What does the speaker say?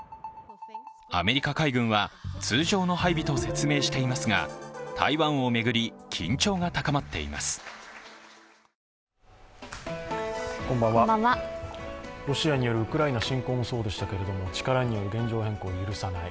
アメリカ海軍は通常の配備と説明してますが台湾を巡り、緊張が高まっていますロシアによるウクライナ侵攻もそうでしたけど、力による現状変更を許さない。